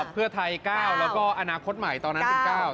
เพื่อไทย๙แล้วก็อนาคตใหม่ตอนนั้นเป็น๙